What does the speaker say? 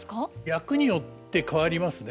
役によって変わりますね。